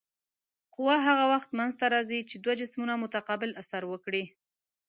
قوه هغه وخت منځته راځي چې دوه جسمونه متقابل اثر وکړي.